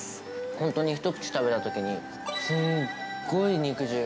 本当に一口食べたときに、すっごい肉汁。